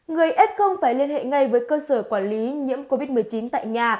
người ép không phải liên hệ ngay với cơ sở quản lý nhiễm covid một mươi chín tại nhà